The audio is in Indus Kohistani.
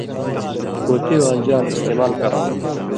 پُھوتی واں جال استعمال کرؤں۔